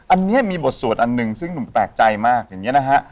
อันนี้มีบทสวดอันหนึ่งซึ่งหนุ่มแปลกใจมากอย่างนี้นะฮะ